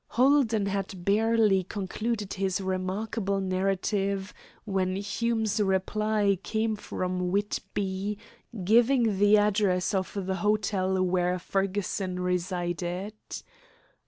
Holden had barely concluded his remarkable narrative when Hume's reply came from Whitby, giving the address of the hotel where Fergusson resided.